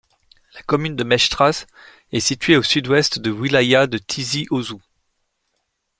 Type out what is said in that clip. La commune de Mechtras est située au sud-ouest de la wilaya de Tizi Ouzou.